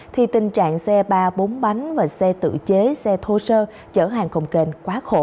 thì tình trạng xe ba bốn bánh và xe tự chế xe thô sơ chở hàng công kênh quá khổ